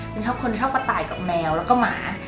มันชอบคนชอบกระต่ายกับแมวแล้วก็หมา